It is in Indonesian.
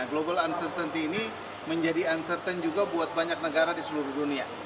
global uncertainty ini menjadi uncertain juga buat banyak negara di seluruh dunia